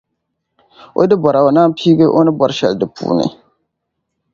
O yi di bora O naan piigi O ni bɔri shɛli di puuni.